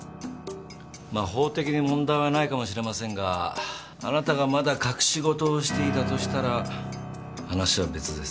まあ法的に問題はないかもしれませんがあなたがまだ隠し事をしていたとしたら話は別です。